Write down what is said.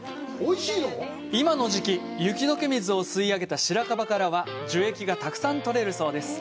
今の時期、雪どけ水を吸い上げた白樺からは樹液がたくさんとれるそうです。